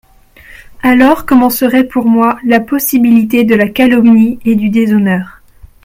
Alors commencerait pour moi la possibilité de la calomnie et du déshonneur.